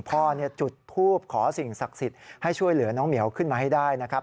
จุดทูปขอสิ่งศักดิ์สิทธิ์ให้ช่วยเหลือน้องเหมียวขึ้นมาให้ได้นะครับ